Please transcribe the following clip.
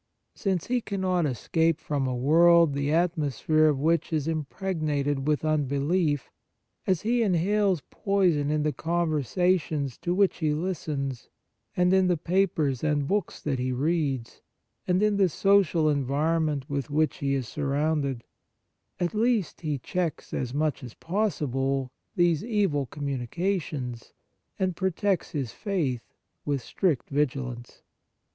Since he cannot escape from a world the atmosphere of which is 63 On Piety impregnated with unbelief, as he in hales poison in the conversations to which he listens, and in the papers and books that he reads, and in the social environment with which he is surrounded, at least he checks as much as possible these evil com munications, and protects his faith with strict vigilance.